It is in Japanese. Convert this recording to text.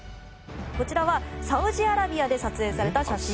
こちらはサウジアラビアで撮影された写真です。